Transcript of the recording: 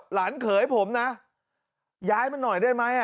เขยผมนะย้ายมันหน่อยได้ไหม